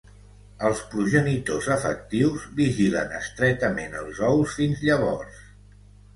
Els progenitors efectius vigilen estretament els ous fins llavors.